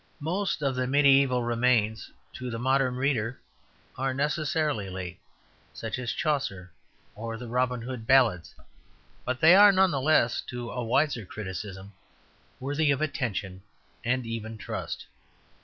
Most of the mediæval remains familiar to the modern reader are necessarily "late," such as Chaucer or the Robin Hood ballads; but they are none the less, to a wiser criticism, worthy of attention and even trust.